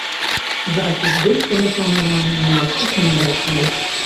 Запіс дыска запланаваны на наступную вясну.